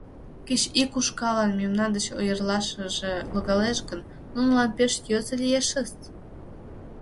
Кеч ик ушкаллан мемнан деч ойырлашыже логалеш гын, нунылан пеш йӧсӧ лиешыс.